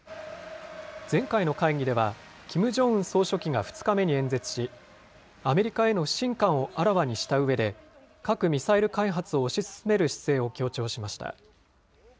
前回の会議では、キム・ジョンウン総書記が２日目に演説し、アメリカへの不信感をあらわにしたうえで、核・ミサイル開発を推し進める姿勢を強調しました。